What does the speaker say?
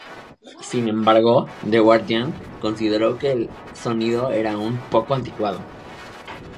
Sin embargo, The Guardian consideró que el sonido era "un poco anticuado".